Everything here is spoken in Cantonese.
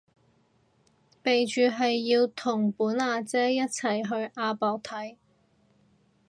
備註係要同本阿姐一齊去亞博睇